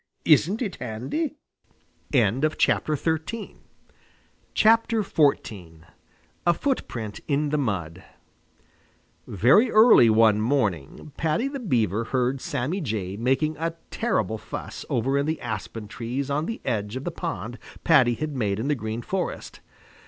Isn't it handy?" XIV A FOOTPRINT IN THE MUD Very early one morning Paddy the Beaver heard Sammy Jay making a terrible fuss over in the aspen trees on the edge of the pond Paddy had made in the Green Forest.